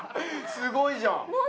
すごいじゃん。